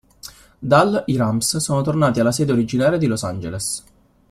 Dal i Rams sono tornati alla sede originaria di Los Angeles.